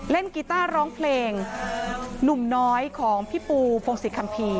เล่นกีตาร์ร้องเพลงลุ่มน้อยของพี่ปู่ฝ่องศิษย์คัมภีร์